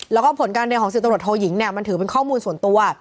แล้วก็ผลการเรียนของ๑๐ตำรวจโทยิงเนี่ยมันถือเป็นข้อมูลส่วนตัว